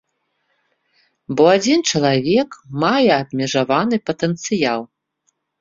Бо адзін чалавек мае абмежаваны патэнцыял.